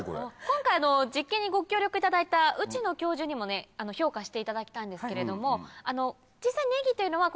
今回実験にご協力いただいた内野教授にもね評価していただいたんですけれども実際ネギというのは。